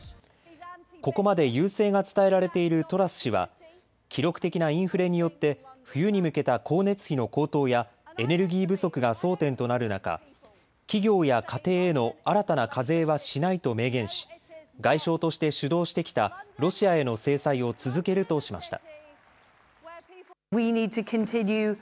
ここまで優勢が伝えられているトラス氏は記録的なインフレによって冬に向けた光熱費の高騰やエネルギー不足が争点となる中、企業や家庭への新たな課税はしないと明言し外相として主導してきたロシアへの制裁を続けるとしました。